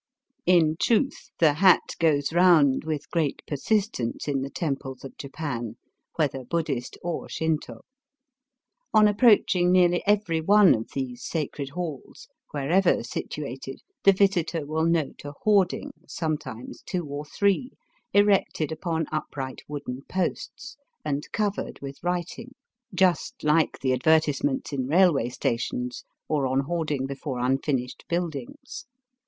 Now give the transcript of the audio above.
In truth the hat goes round with great per Digitized by VjOOQIC THE TOMBS OF THE SHOGUNS. 269 sistence in the temples of Japan, whether Buddhist or Shinto. On approaching nearly every one of these sacred halls, wherever situated, the visitor will note a hoarding, sometimes two or three, erected upon upright wooden posts, and covered with writing, just like the advertisements in railway stations or on hoarding before unfinished buildings.